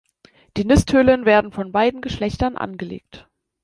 Die Nisthöhlen werden von beiden Geschlechtern angelegt.